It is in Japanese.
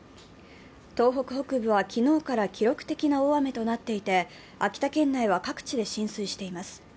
東北北部は昨日から記録的な大雨となっていて、秋田県内は各地で浸水しています。